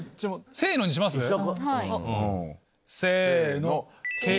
「せの」にします？せの。